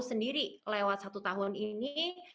sendiri lewat satu tahun ini